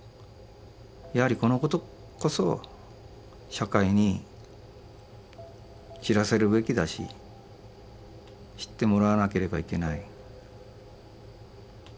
やはりこのことこそ社会に知らせるべきだし知ってもらわなければいけない。